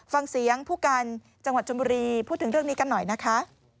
ฟังเสียงผู้การจังหวัดชนบุรีพูดถึงเรื่องนี้กันหน่อยนะคะ